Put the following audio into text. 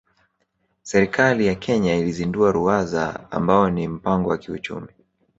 Serikali ya Kenya ilizindua Ruwaza ambao ni mpango wa kiuchumi